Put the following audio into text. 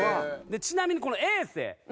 ちなみにこの政。